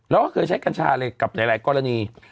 แล้วก็เคยใช้กัญชาเลยกับหลายกรณี